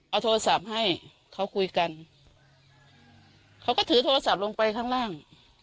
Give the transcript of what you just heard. เอาโทรศัพท์ให้เขาคุยกันเขาก็ถือโทรศัพท์ลงไปข้างล่าง